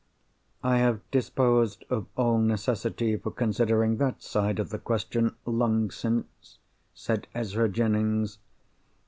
"I have disposed of all necessity for considering that side of the question, long since," said Ezra Jennings.